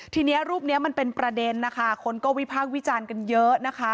ทีนี้รูปนี้มันเป็นประเด็นนะคะคนก็วิพากษ์วิจารณ์กันเยอะนะคะ